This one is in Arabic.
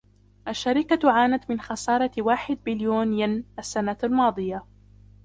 الشركة عانت من خسارة واحد بليون ين السنة الماضية.